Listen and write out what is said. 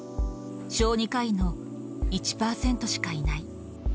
小児科医の１％しかいない。